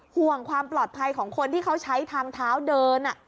ห่วงความปลอดภัยของคนที่เขาใช้ทางเท้าเดิน